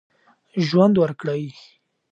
ژوند ورکړئ.